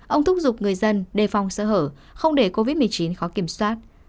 ông thúc giục người dân đề phòng sơ hở không để covid một mươi chín khó kiểm soát